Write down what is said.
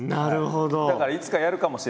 だからいつかやるかもしれないですね。